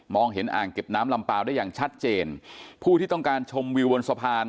เห็นอ่างเก็บน้ำลำเปล่าได้อย่างชัดเจนผู้ที่ต้องการชมวิวบนสะพาน